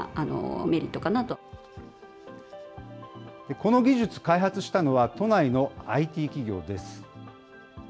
この技術、開発したのは、都内のＩＴ企業です。